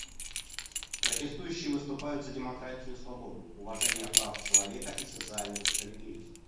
Протестующие выступают за демократию и свободу, уважение прав человека и социальную справедливость.